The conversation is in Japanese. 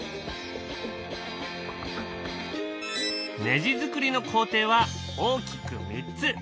ネジ作りの工程は大きく３つ。